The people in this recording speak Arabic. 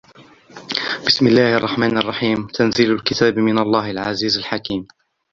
بسم الله الرحمن الرحيم تنزيل الكتاب من الله العزيز الحكيم